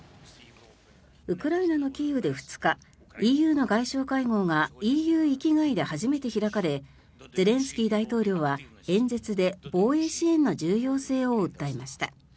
ウクライナのキーウで２日ＥＵの外相会合がＥＵ域外で初めて開かれゼレンスキー大統領は演説で防衛支援の重要性を訴えました。